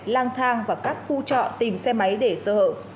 lang thang và các khu trọ tìm xe máy để sơ hở